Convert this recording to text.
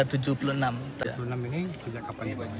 tujuh puluh enam ini sejak kapan dibayangkan